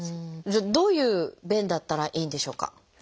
じゃあどういう便だったらいいんでしょうか？